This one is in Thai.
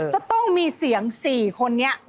จะต้องมีเสียง๔คนนี้